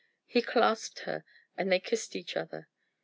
He clasped her, and they kissed each other.